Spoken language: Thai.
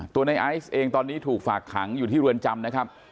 ในไอซ์เองตอนนี้ถูกฝากขังอยู่ที่เรือนจำนะครับ